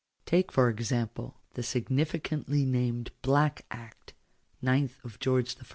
Take, for example, the significantly named " Black Act " (9th of George I.)